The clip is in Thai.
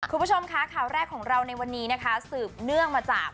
คุณผู้ชมค่ะข่าวแรกของเราในวันนี้นะคะสืบเนื่องมาจาก